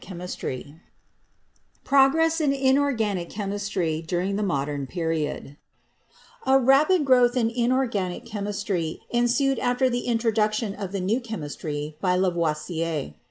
CHAPTER XIV PROGRESS IN INORGANIC CHEMISTRY DURING THE MODERN PERIOD A rapid growth in inorganic chemistry ensued after the introduction of the New Chemistry by Lavoisier.